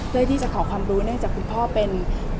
เพื่อที่จะขอความรู้เนื่องจากคุณพ่อเป็น